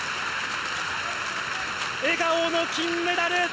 笑顔の金メダル。